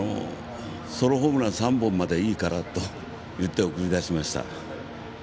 ソロホームラン３本まではいいからと言って送り出しました。